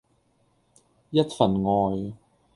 一份愛